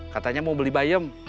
katanya mau beli bayam